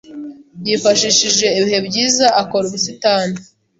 Yifashishije ibihe byiza akora ubusitani.